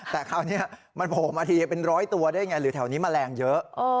แต่คราวนี้มันโผล่มาทีเป็นร้อยตัวได้ไงหรือแถวนี้แมลงเยอะ